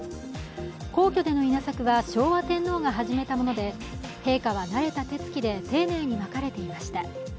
皇居での稲作は昭和天皇が始めたもので、陛下は慣れた手つきで丁寧にまかれていました。